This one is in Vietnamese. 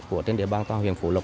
của trên địa bàn toàn huyện phủ lục